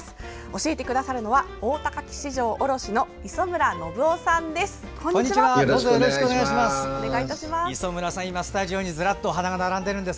教えてくださるのは大田花き市場卸の磯村信夫さんです。